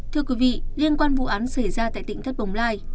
thưa quý vị liên quan vụ án xảy ra tại tỉnh thất bồng lai